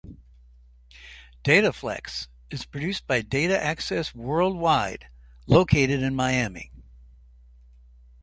DataFlex is produced by Data Access Worldwide located in Miami.